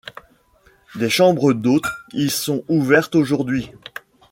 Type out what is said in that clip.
Des chambres d'hôtes y sont ouvertes aujourd'hui.